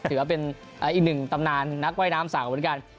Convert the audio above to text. ถือว่าเป็นอีกหนึ่งตำนานนักว่ายน้ำสาวเหมือนกัน